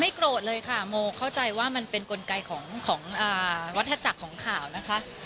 โกรธเลยค่ะโมเข้าใจว่ามันเป็นกลไกของวัฒนาจักรของข่าวนะคะ